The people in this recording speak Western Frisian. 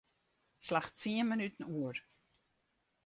Slach tsien minuten oer.